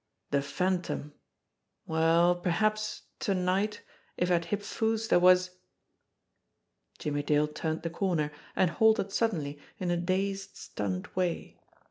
The Phan tom ! Well, perhaps, to night, if at Hip Foo's there was Jimmie Dale turned the corner, and halted suddenly in a dazed, stunned way.